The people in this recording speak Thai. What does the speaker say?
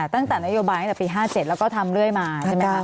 ตั้งแต่นโยบายตั้งแต่ปี๕๗แล้วก็ทำเรื่อยมาใช่ไหมคะ